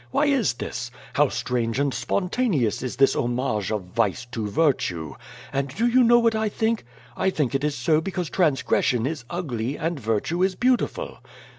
Why is this? How strange and spontaneous is this homage of Vice to Virtue! And do you know what I think? I think it is so because transgression is ugly, and virtue is beautiful.